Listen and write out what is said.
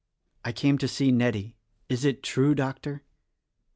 I came to see Nettie. Is it true, Doctor?"